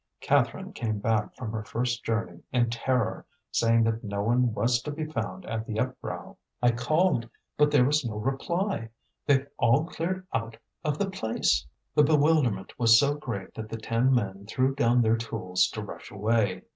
Catherine came back from her first journey in terror, saying that no one was to be found at the upbrow. "I called, but there was no reply. They've all cleared out of the place." The bewilderment was so great that the ten men threw down their tools to rush away.